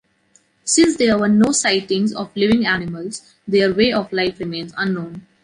Since there were no sightings of living animals, their way of life remains unknown.